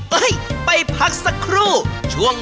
ยาจุกัญยุง